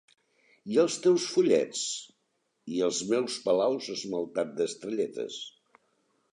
I els teus follets? I els meus palaus esmaltats d'estrelletes?